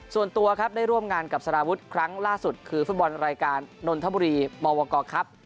ส่วนตัวครับได้ร่วมงานกับสารวุฒิครั้งล่าสุดคือฟุตบอลรายการนนทบุรีมวกครับ